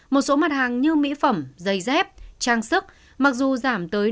một số mặt hàng như mỹ phẩm giày dép trang sức mặc dù giảm tới năm mươi bảy mươi